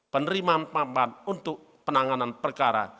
penerimaan untuk penanganan perkara